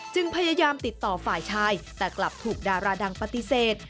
พยายามติดต่อฝ่ายชายแต่กลับถูกดาราดังปฏิเสธ